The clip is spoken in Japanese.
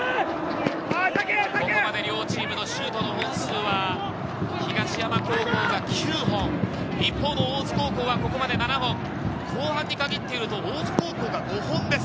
両チームのシュートの本数は東山高校が９本、一方の大津高校はここまで７本、後半に限っていうと、大津高校が５本です。